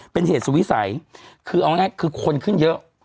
เป็นเหตุสุวิสัยคือเอาง่ายคือคนขึ้นเยอะ